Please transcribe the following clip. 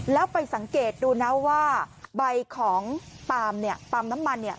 แล้วไปสังเกตดูนะว่าใบของปาล์มเนี่ยปาล์มน้ำมันเนี่ย